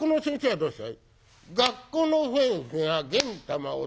どうした？」。